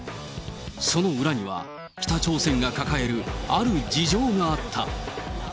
その裏には、北朝鮮が抱えるある事情があった。